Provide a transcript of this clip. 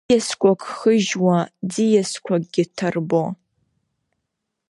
Ӡиасқәак хыжьуа, ӡиақәакгьы ҭарбо.